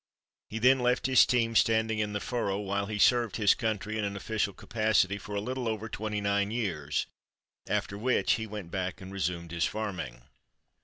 He then left his team standing in the furrow while he served his country in an official capacity for a little over twenty nine years, after which he went back and resumed his farming.